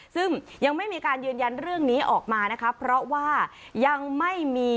ซึ่งยังไม่มีการยืนยันเรื่องนี้ออกมานะคะเพราะว่ายังไม่มี